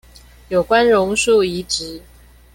有關榕樹移植